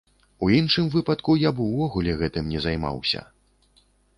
У іншым выпадку я б увогуле гэтым не займаўся.